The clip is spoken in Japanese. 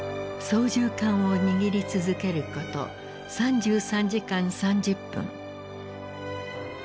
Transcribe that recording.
操縦かんを握り続けること３３時間３０分。